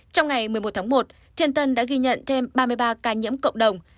trong ngày một mươi một tháng một thiên tân đã ghi nhận thêm ba mươi ba ca nhiễm cộng đồng